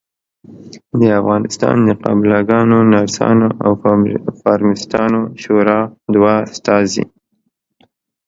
د افغانستان د قابلګانو ، نرسانو او فارمیسټانو شورا دوه استازي